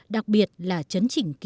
đặc biệt là chấn chính